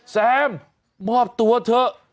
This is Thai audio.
แซมมอบตัวเถอะ